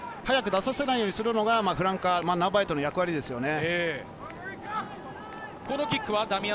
早く出させないようにするのがフランカー、ナンバー８の役割ですよね。